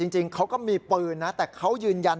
จริงเขาก็มีปืนนะแต่เขายืนยัน